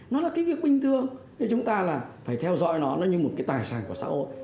nó là cái việc bình thường thì chúng ta là phải theo dõi nó như một cái tài sản của xã hội